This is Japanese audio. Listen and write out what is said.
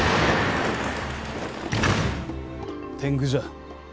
天狗じゃ。